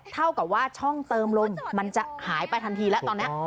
เท่ากับว่าช่องเติมลมมันจะหายไปทันทีแล้วตอนนี้